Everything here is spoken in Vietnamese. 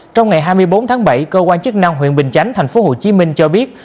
trong ngày hai mươi bốn tháng bảy cơ quan chức năng huyện bình chánh tp hcm cho biết